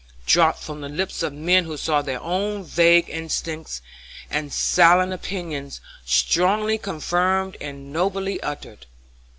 dropped from the lips of men who saw their own vague instincts and silent opinions strongly confirmed and nobly uttered.